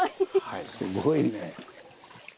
すごいね。